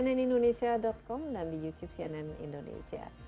cnnindonesia com dan di youtube cnn indonesia